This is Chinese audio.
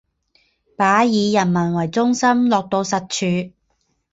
把以人民为中心落到实处